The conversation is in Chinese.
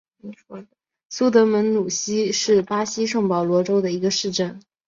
苏德门努西是巴西圣保罗州的一个市镇。